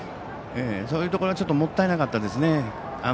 そういうところがちょっともったいなかったですね。